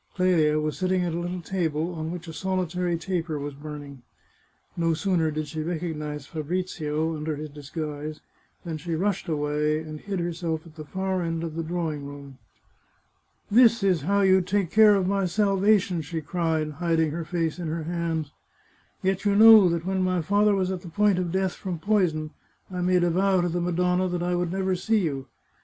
Clelia was sitting at a little table, on which a solitary taper was burning. No sooner did she recognise Fabrizio, under his disguise, than she rushed away, and hid herself at the far end of the drawing room. " This is how you care for my 487 The Chartreuse of Parma salvation," she cried, hiding her face in her hands. " Yet you know that when my father was at the point of death from poison, I made a vow to the Madonna that I would never see you.